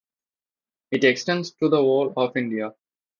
It extends to the whole of India.